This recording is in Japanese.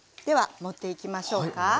では盛っていきましょうか。